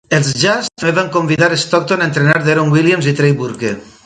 Els Jazz també van convidar Stockton a entrenar Deron Williams i Trey Burke.